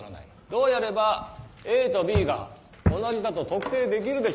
どうやればＡとＢが同じだと特定できるでしょうか。